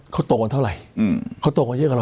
เขาโตกันเท่าไหร่